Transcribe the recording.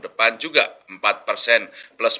depan juga empat persen plus